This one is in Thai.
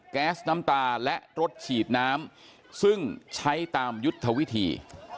แก๊สน้ำตาและรถฉีดน้ำซึ่งใช้ตามยุทธวิธี